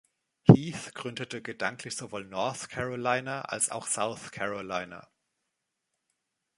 Heath gründete gedanklich sowohl North Carolina als auch South Carolina.